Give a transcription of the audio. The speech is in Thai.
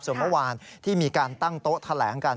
ส่วนเมื่อวานที่มีการตั้งโต๊ะแถลงกัน